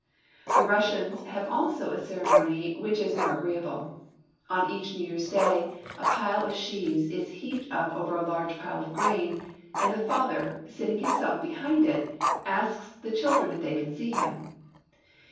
The Russians have also a ceremony which is more agreeable. On each New Year's Day, a pile of sheaves is heaped up over a large pile of grain, and the father, after seating himself behind it, asks the children if they can see him.